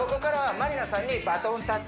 まりなさん